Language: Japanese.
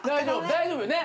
大丈夫ね？